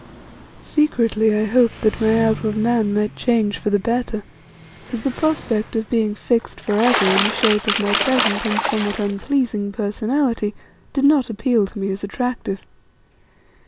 Secretly I hoped that my outward man might change for the better, as the prospect of being fixed for ever in the shape of my present and somewhat unpleasing personality, did not appeal to me as attractive.